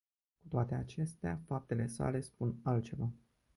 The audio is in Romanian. Cu toate acestea, faptele sale spun altceva.